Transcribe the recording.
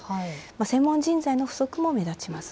専門人材の不足も目立ちます。